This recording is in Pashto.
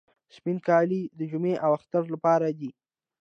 سپین کالي د جمعې او اختر لپاره دي.